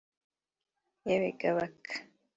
Yewe ga Baka